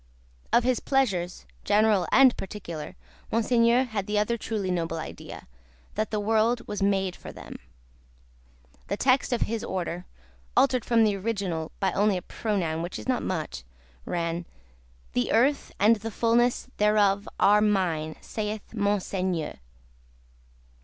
Of his pleasures, general and particular, Monseigneur had the other truly noble idea, that the world was made for them. The text of his order (altered from the original by only a pronoun, which is not much) ran: "The earth and the fulness thereof are mine, saith Monseigneur."